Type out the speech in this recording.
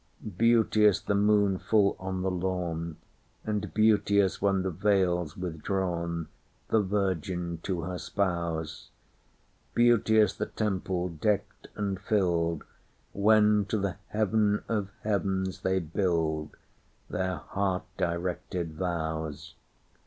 Beauteous the moon full on the lawn; And beauteous when the veil's withdrawn, The virgin to her spouse:Beauteous the temple, decked and filled, When to the heaven of heavens they buildTheir heart directed vows.